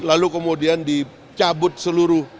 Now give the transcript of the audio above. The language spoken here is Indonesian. lalu kemudian dicabut seluruh